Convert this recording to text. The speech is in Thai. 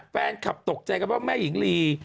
แฟนคลับตกใจกันว่าแม่หญิงลี